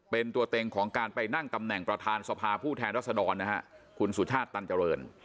เป็นตัวเต็งของการไปนั่งตำแหน่งประธานสภาผู้แทนรัศดรนะฮะคุณสุชาติตันเจริญ